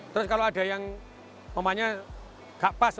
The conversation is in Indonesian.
terus kalau ada yang namanya gak pas